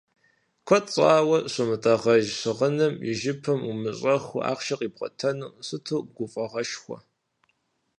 Куэд щӏауэ щыумытӏагъэж щыгъыным и жыпым умыщӏэххэу ахъшэ къибгъуатэну сыту гуфӏэгъуэшхуэ.